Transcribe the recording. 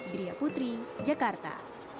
bria putri jakarta